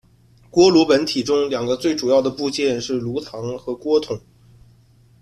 锅炉本体中两个最主要的部件是炉膛和锅筒。